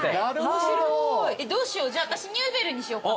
面白いどうしようじゃあ私ニューベルにしようかな。